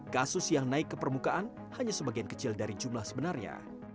kasus yang naik ke permukaan hanya sebagian kecil dari jumlah sebenarnya